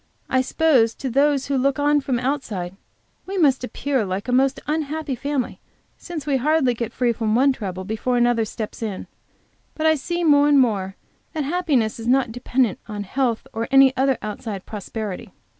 I suppose to those who look on from the outside, we must appear like a most unhappy family, since we hardly get free from one trouble before another steps in. But I see more and more that happiness is not dependent on health or any other outside prosperity.